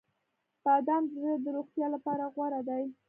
• بادام د زړه د روغتیا لپاره غوره دي.